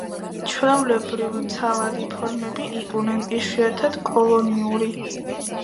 ჩვეულებრივ ცალადი ფორმები იყვნენ, იშვიათად კოლონიური.